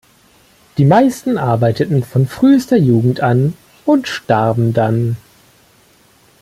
Die meisten arbeiteten von frühester Jugend an und starben dann.